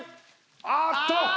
あっと！